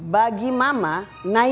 bagi mama nayla tuh sudah menderita